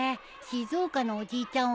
静岡のおじいちゃん